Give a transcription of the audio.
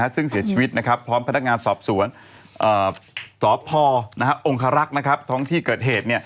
ซึ่งเสียชีวิตพร้อมพนักงานสอบสวนสพองคารักษ์ท้องที่เกิดเหตุ